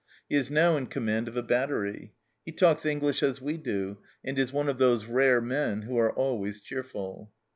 He is now in command of a battery. He talks English as we do, and is one of those rare men who are always cheerful."